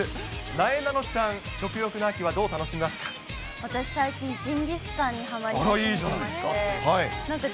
なえなのちゃん、食欲の秋はどう私、最近、ジンギスカンにはいいじゃないですか。